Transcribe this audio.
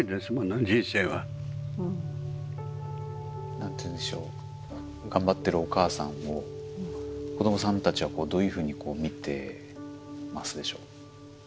何て言うんでしょう頑張ってるお母さんを子どもさんたちはどういうふうに見てますでしょう？